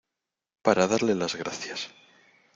para darle las gracias